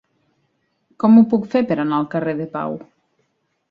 Com ho puc fer per anar al carrer de Pau?